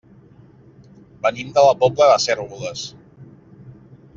Venim de la Pobla de Cérvoles.